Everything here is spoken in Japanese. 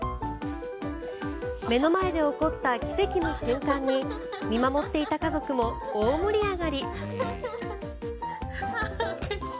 目の前で起こった奇跡の瞬間に見守っていた家族も大盛り上がり。